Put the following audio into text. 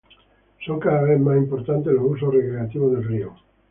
Son cada vez más importantes los usos recreativos del río.